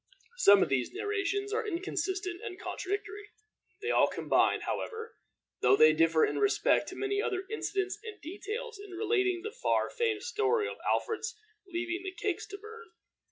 Some of these narrations are inconsistent and contradictory. They all combine, however, though they differ in respect to many other incidents and details, in relating the far famed story of Alfred's leaving the cakes to burn.